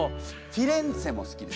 フィレンツェも好きです。